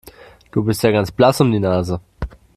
Du bist ja ganz blass um die Nase.